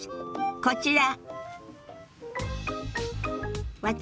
こちら。